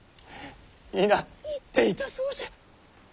皆言っていたそうじゃ。